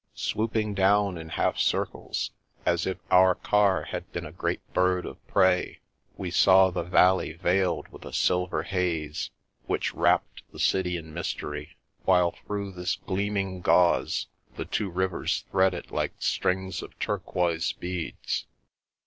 Swooping down in half circles, as if our car had been a great bird of prey, we saw the valley veiled with a silver haze, which wrapped the city in mystery, while through this gleaming gauze the two rivers threaded like strings of tur quoise beads.